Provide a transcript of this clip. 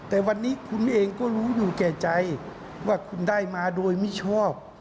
แต่วันนี้คุณเองก็รู้อยู่แก่ใจว่าคุณได้มาโดยมิชอบ